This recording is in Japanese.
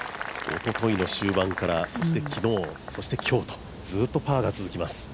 おとといの終盤から、昨日、そして、今日とずっとパーが続きます。